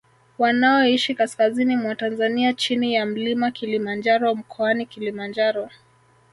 Wanaoishi kaskazini mwa Tanzania chini ya mlima Kilimanjaro mkoani Kilimanjaro